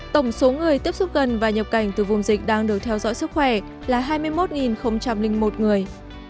tổng số người tiếp xúc gần và nhập cảnh từ vùng dịch đang được theo dõi sức khỏe là hai mươi một một người